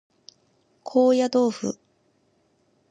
高野豆腐